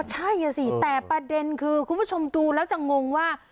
ใช่สิแต่ประเด็นคือคุณผู้ชมดูแล้วจะงงว่า